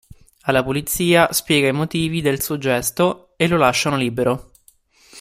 Alla polizia spiega i motivi del suo gesto e lo lasciano libero.